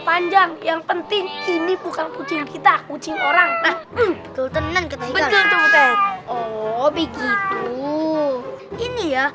panjang yang penting ini bukan kucing kita kucing orang betul tenang oh begitu ini ya